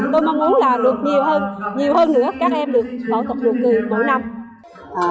tôi mong muốn là được nhiều hơn nhiều hơn nữa các em được phẫu thuật nụ cười mỗi năm